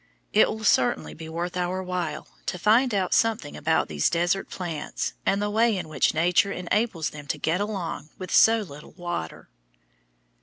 It will certainly be worth our while to find out something about these desert plants and the way in which Nature enables them to get along with so little water.